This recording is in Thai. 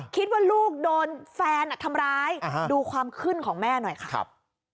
คิดว่าลูกโดนแฟนทำร้ายดูความขึ้นของแม่หน่อยค่ะครับ